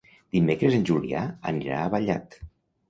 Dimecres en Julià anirà a Vallat.